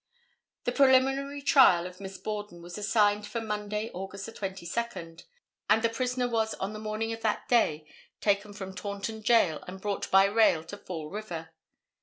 The preliminary trial of Miss Borden was assigned for Monday, August 22, and the prisoner was on the morning of that day taken from Taunton Jail and brought by rail to Fall River.